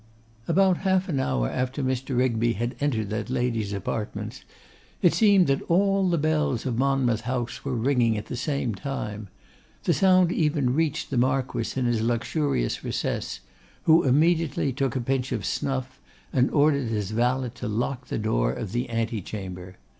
About half an hour after Mr. Rigby had entered that lady's apartments it seemed that all the bells of Monmouth House were ringing at the same time. The sound even reached the Marquess in his luxurious recess; who immediately took a pinch of snuff, and ordered his valet to lock the door of the ante chamber.